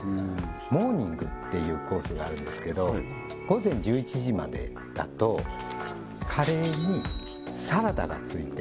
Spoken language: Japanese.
モーニングっていうコースがあるんですけど午前１１時までだとカレーにサラダがついて